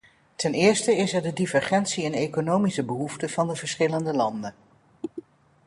Ten eerste is er de divergentie in economische behoeften van de verschillende landen.